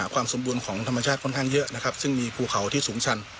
ความสมบูรณ์ของธรรมชาติถูกเยอะมีภูเขาที่สูงทัน